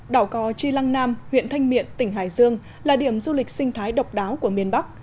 đảo cò chi lăng nam huyện thanh miện tỉnh hải dương là điểm du lịch sinh thái độc đáo của miền bắc